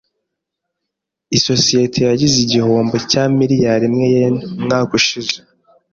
Isosiyete yagize igihombo cya miliyari imwe yen umwaka ushize.